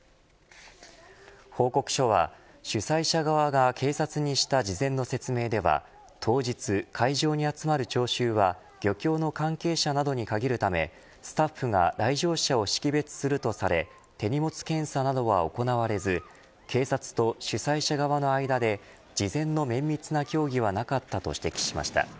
報告書は主催者側が警察にした事前の説明では当日、会場に集まる聴衆は漁協の関係者などに限るためスタッフが来場者を識別するとされ手荷物検査などは行われず警察と主催者側の間で事前の綿密な協議はなかったと指摘しました。